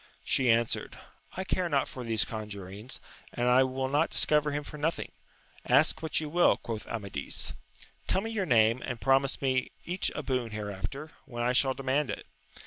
She answered, I care not for these conjurings, and will not discover him for nothing. Ask what you will, quoth Amadis. — Tell me your name, and promise me each a boon hereafter, when I shall demand it.